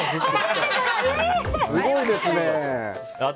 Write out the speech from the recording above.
すごいですね。